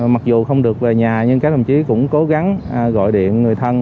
mặc dù không được về nhà nhưng các đồng chí cũng cố gắng gọi điện người thân